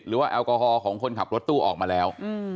แอลกอฮอล์ของคนขับรถตู้ออกมาแล้ว